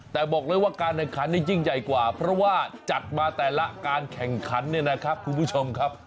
แต่บอกเลยว่าการแข่งขันนี่ยิ่งใหญ่กว่าเพราะว่าจัดมาแต่ละการแข่งขันเนี่ยนะครับคุณผู้ชมครับ